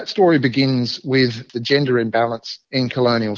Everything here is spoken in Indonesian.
kegantian gender di masyarakat kolonial